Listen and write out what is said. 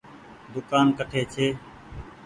دوڪآن ڪٺي ڇي۔